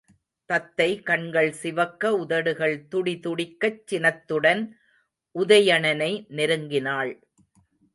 தத்தை கண்கள் சிவக்க உதடுகள் துடிதுடிக்கச் சினத்துடன் உதயணனை நெருங்கினாள்.